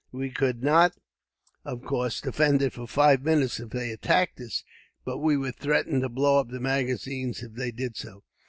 We could not, of course, defend it for five minutes if they attacked us; but we would threaten to blow up the magazine, if they did so.